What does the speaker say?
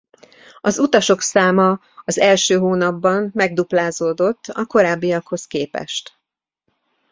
Az utasok száma az első hónapban megduplázódott a korábbiakhoz képest.